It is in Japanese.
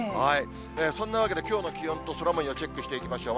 そんなわけで、きょうの気温と空もよう、チェックしていきましょう。